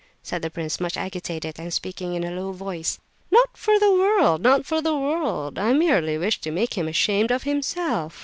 said the prince, much agitated, and speaking in a low voice. "Not for the world, not for the world! I merely wish to make him ashamed of himself.